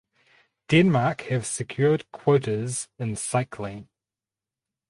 Denmark have secured quotas in cycling.